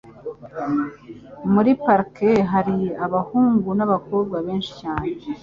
Muri parike hari abahungu nabakobwa benshi cyane.